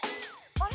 あれ？